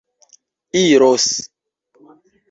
iros